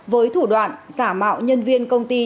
với thủ đoạn giả mạo nhân viên công ty